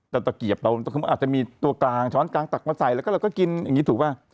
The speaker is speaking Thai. แต่ต่อเกียบเราก็คงอาจจะมีตัวกลางช้อนกลางต่างมาใส่แล้วก็กินอย่างงี้ถูกป่ะ